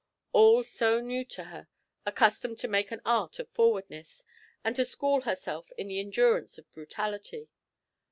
All so new to her, accustomed to make an art of forwardness, and to school herself in the endurance of brutality.